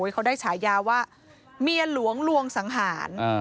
เขาได้ฉายาว่าเมียหลวงลวงสังหาร